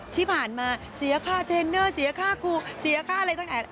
ที่ผ่านมาเสียค่าเทรนเนอร์เสียค่าครูเสียค่าอะไรต่าง